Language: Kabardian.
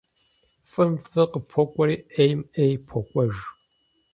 ФӀым фӀы къыпокӀуэри, Ӏейм Ӏей покӀуэж.